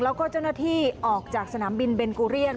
แล้วก็เจ้าหน้าที่ออกจากสนามบินเบนกูเรียน